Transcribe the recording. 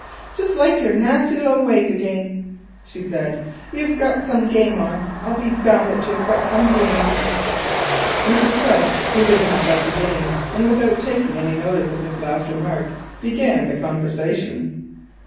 "Just like your nasty low ways again," she said. "You've got some game on. I'll be bound that you have got some game on." Mr. Quest seated himself again, and without taking any notice of this last remark began the conversation.